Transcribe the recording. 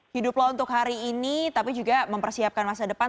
hiduplah untuk hari ini tapi juga mempersiapkan masa depan